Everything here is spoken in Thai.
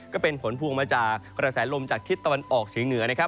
ก็เป็นผลพูมมาจากระแสลมจากทฤษฎรณออกถึงเหนือนะครับ